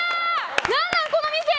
何なん、この店！